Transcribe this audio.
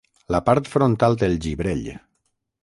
La part frontal del gibrell.